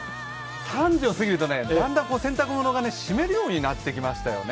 ３時をすぎると、だんだん洗濯物が湿るようになってきましたよね。